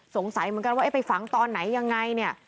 สงสัยเหมือนกันว่าไปฝังตอนไหนยังไงเนี่ย